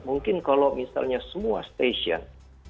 mungkin kalau misalnya semua stasiun